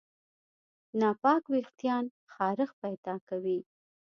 ناپاک وېښتيان خارښت پیدا کوي.